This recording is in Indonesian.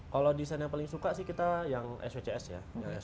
kalau desain yang paling suka sih kita yang swcs ya